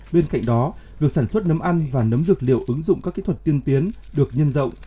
bên cạnh đó việc sản xuất nấm ăn và nấm dược liệu ứng dụng các kỹ thuật tiên tiến được nhân rộng